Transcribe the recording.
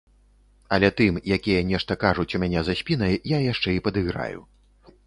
Але тым, якія нешта кажуць у мяне за спінай, я яшчэ і падыграю.